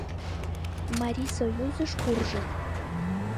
Марисоюзыш куржыт.